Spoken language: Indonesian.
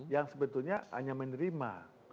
yang sebetulnya hanya menerima